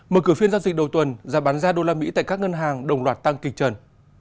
mở cửa phiên giao dịch đầu tuần giá bán ra đô la mỹ tại các ngân hàng đồng loạt tăng kịch trần